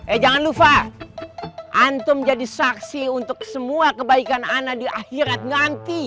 eh jangan lupa antum jadi saksi untuk semua kebaikan ana di akhirat nanti